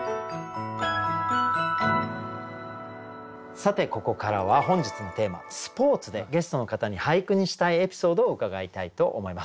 さてここからは本日のテーマ「スポーツ」でゲストの方に俳句にしたいエピソードを伺いたいと思います。